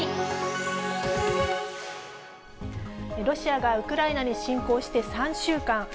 ロシアがウクライナに侵攻して３週間。